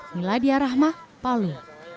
miladia rahma palu